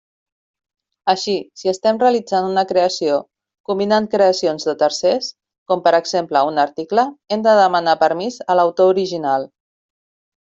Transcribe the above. Així, si estem realitzant una creació combinant creacions de tercers, com per exemple un article, hem de demanar permís a l'autor original.